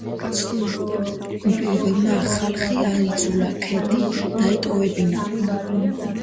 ცუდმა პირობებმა ხალხი აიძულა ქედი დაეტოვებინა.